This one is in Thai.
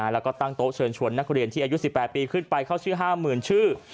แล้วก็ตั้งโต๊ะเชิญชวนนักเรียนที่อายุ๑๘ปีขึ้นไปเข้าชื่อ๕๐๐๐ชื่อ